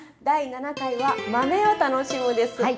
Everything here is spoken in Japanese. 第７回は「豆を楽しむ」です。